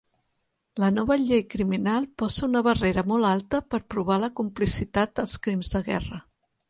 La nova llei criminal posa una barrera molt alta per provar la complicitat als crims de guerra.